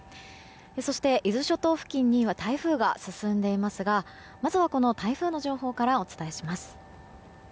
そして伊豆諸島付近には台風が進んでいますがまずはこの台風の情報からお伝えします。